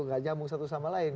gak nyambung satu sama lain